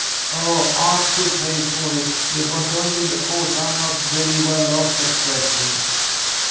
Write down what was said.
"Oh, I could pay for it; it was only because I'm not very well off at present."